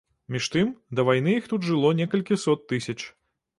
Між тым, да вайны іх тут жыло некалькі сот тысяч.